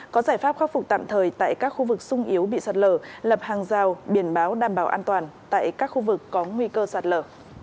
có giải pháp khắc phục tạm thời tại các khu vực sung yếu bị sạt lở lập hàng rào biển báo đảm bảo an toàn tại các khu vực có nguy cơ sạt lở